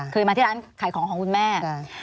เคยมาที่ร้านขายของของคุณแม่